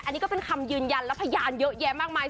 อันนี้ก็เป็นคำยืนยันและพยานเยอะแยะมากมาย